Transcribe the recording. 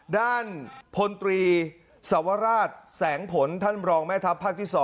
ด้านพลตรีสวราชแสงผลท่านรองแม่ทัพภาคที่๒